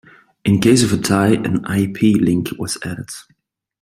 In case of a tie, an "I-P" link was added.